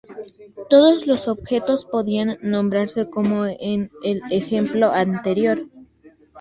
Todos los objetos podían nombrarse, como en el ejemplo anterior.